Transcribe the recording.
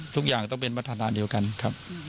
ทุกอย่างต้องเป็นวัฒนาเดียวกันครับ